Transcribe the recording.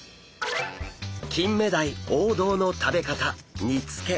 キンメダイ王道の食べ方煮つけ。